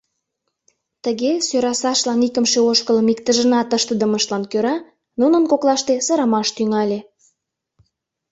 Тыге сӧрасашлан икымше ошкылым иктыжынат ыштыдымыштлан кӧра нунын коклаште сырымаш тӱҥале.